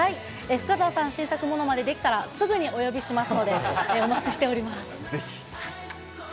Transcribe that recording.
深澤さん、新作ものまね出来たらすぐにお呼びしますので、お待ちしておりまぜひ。